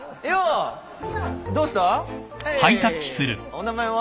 お名前は？